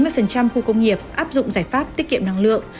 năm mươi khu công nghiệp áp dụng giải pháp tiết kiệm năng lượng